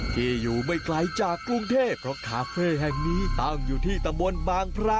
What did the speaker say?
ที่อยู่ไม่ไกลจากกรุงเทพเพราะคาเฟ่แห่งนี้ตั้งอยู่ที่ตะบนบางพระ